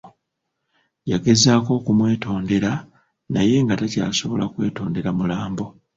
Yagezaako okumwetondera naye nga takyasobola kwetondera mulambo.